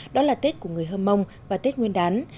đó là tết của người hơm mông và tết nguyên đán